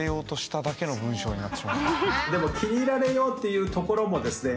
でも気に入られようっていうところもですね